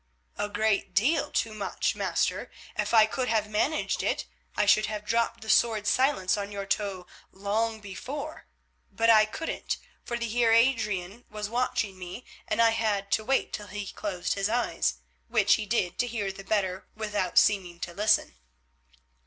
"A great deal too much, master. If I could have managed it I should have dropped the sword Silence on your toe long before. But I couldn't, for the Heer Adrian was watching me, and I had to wait till he closed his eyes, which he did to hear the better without seeming to listen."